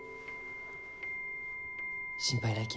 心配ないき。